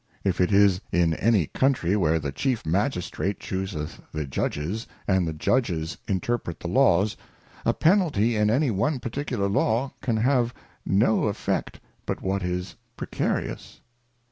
If it is in any Country, where the chief Magistrate chuseth the Judges, and the Judges interpret the Laws ; a Penalty in any one particular Law can have no effect but what is pre carious.